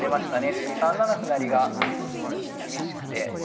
次３七歩成が厳しくて。